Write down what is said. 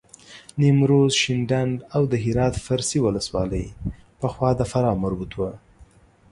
نیمروز، شینډنداو د هرات فرسي ولسوالۍ پخوا د فراه مربوط وه.